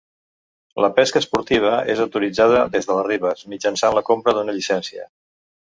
La pesca esportiva és autoritzada des de les ribes, mitjançant la compra d'una llicència.